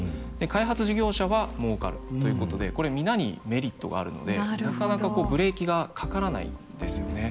開発事業者はもうかるということでこれ皆にメリットがあるのでなかなかブレーキがかからないんですよね。